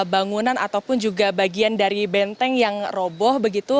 bangunan ataupun juga bagian dari benteng yang roboh begitu